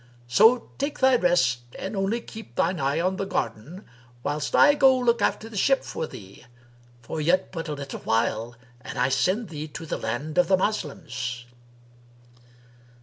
So take thy rest and only keep shine eye on the garden, whilst I go look after the ship for thee; for yet but a little while and I send thee to the land of the Moslems."